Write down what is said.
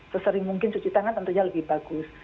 sesering mungkin cuci tangan tentunya lebih bagus